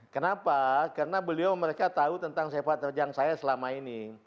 kenapa karena beliau mereka tahu tentang sepak terjang saya selama ini